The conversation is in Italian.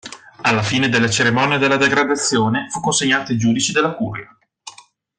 Alla fine della cerimonia della degradazione fu consegnato ai giudici della curia.